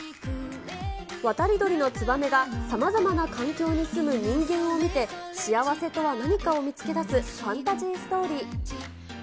渡り鳥のツバメがさまざまな環境に住む人間を見て、幸せとは何かを見つけ出すファンタジーストーリー。